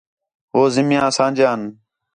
ہو زمیناں اسانجیان